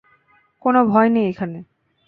কোনও ভয় নেই এখানে!